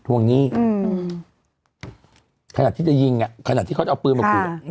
ทวงหนี้อืมขณะที่จะยิงอ่ะขณะที่เขาจะเอาปืนมากลุ่มค่ะ